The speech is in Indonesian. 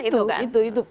itu itu itu